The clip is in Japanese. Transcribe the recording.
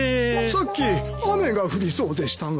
さっき雨が降りそうでしたが？